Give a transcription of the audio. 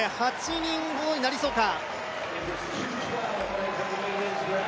８人ほどになりそうか。